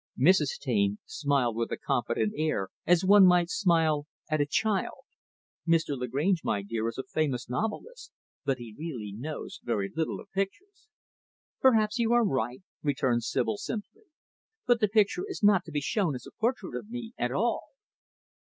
Mrs. Taine smiled with a confident air, as one might smile at a child. "Mr. Lagrange, my dear, is a famous novelist but he really knows very little of pictures." "Perhaps you are right," returned Sibyl, simply. "But the picture is not to be shown as a portrait of me, at all."